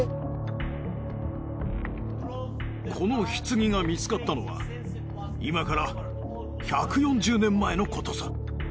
この棺が見つかったのは今から１４０年前のことさ。